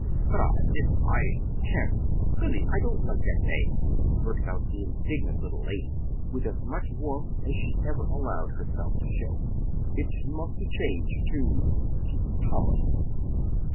"But, I it I can't Billy! I don't like that name," blurted out the indignant little lady with as much warmth as she ever allowed herself to show. "It must be changed to to 'Thomas.'"